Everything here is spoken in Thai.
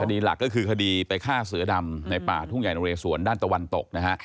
ดีหลักก็คือคดีไปฆ่าเสือดำในป่าทุ่งใหญ่นเรสวนด้านตะวันตกนะฮะ